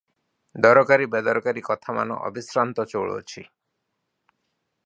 ଦରକାରୀ ବେଦରକାରୀ କଥାମାନ ଅବିଶ୍ରାନ୍ତ ଚଳୁଅଛି ।